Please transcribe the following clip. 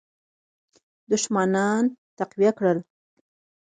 دښمنان تقویه کړل.